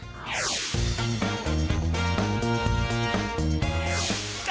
ไก่ตระก้า